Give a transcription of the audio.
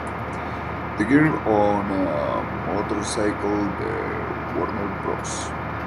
The Girl on a Motorcycle de Warner Bros.